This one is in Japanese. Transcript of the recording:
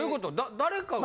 誰かが。